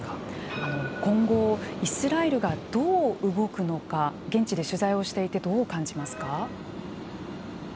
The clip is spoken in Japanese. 今後イスラエルがどう動くのか現地で取材をしていてどう感じますか。